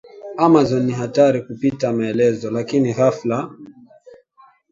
Amazon ni hatari kupita maelezo lakini ghafla